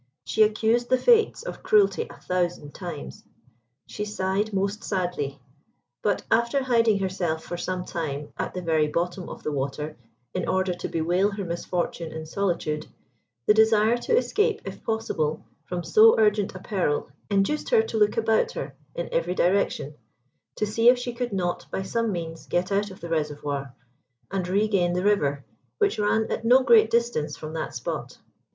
She accused the Fates of cruelty a thousand times! She sighed most sadly; but after hiding herself for some time at the very bottom of the water, in order to bewail her misfortune in solitude, the desire to escape if possible from so urgent a peril, induced her to look about her in every direction to see if she could not by some means get out of the reservoir, and regain the river which ran at no great distance from that spot.